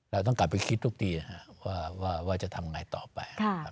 เราต้องกลับไปคิดทุกทีว่าจะทำยังไงต่อไป